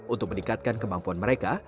untuk meningkatkan kemampuan mereka